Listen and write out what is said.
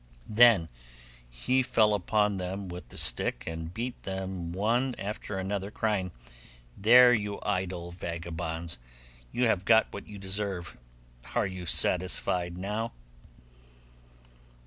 Then he fell upon them with the stick and beat them one after another, crying, 'There, you idle vagabonds, you have got what you deserve; are you satisfied now!